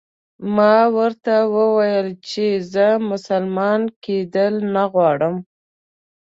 ما ورته وویل چې زه مسلمان کېدل نه غواړم.